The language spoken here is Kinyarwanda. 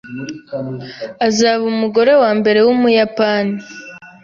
Azaba umugore wambere wumuyapani